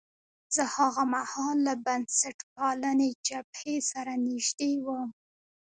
زه هاغه مهال له بنسټپالنې جبهې سره نژدې وم.